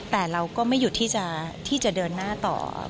แต่เราก็ไม่หยุดที่จะเดินหน้าต่อ